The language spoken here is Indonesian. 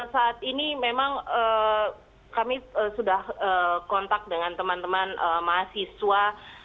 saat ini memang kami sudah kontak dengan teman teman mahasiswa